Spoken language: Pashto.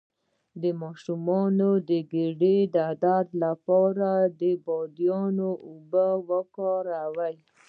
د ماشوم د ګیډې درد لپاره د بادیان اوبه وکاروئ